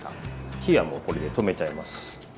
火はもうこれで止めちゃいます。